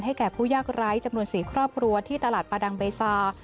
แก่ผู้ยากไร้จำนวน๔ครอบครัวที่ตลาดประดังเบซา